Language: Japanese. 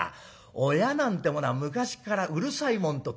親なんてものは昔からうるさいもんと決まってます。